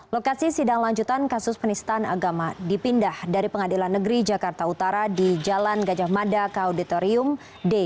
lokasi sidang lanjutan kasus penistaan agama dipindah dari pengadilan negeri jakarta utara di jalan gajah mada ke auditorium d